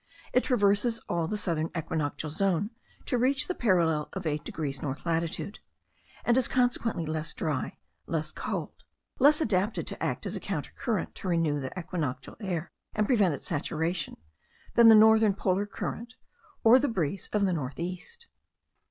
It traverses all the southern equatorial zone to reach the parallel of 8 degrees north latitude; and is consequently less dry, less cold, less adapted to act as a counter current to renew the equinoctial air and prevent its saturation, than the northern polar current, or the breeze from the north east.